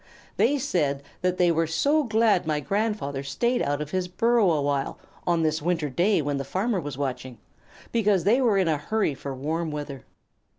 They said that they were so glad my grandfather stayed out of his burrow awhile on this winter day when the farmer was watching, because they were in a hurry for warm weather.